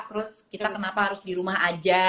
terus kita kenapa harus di rumah aja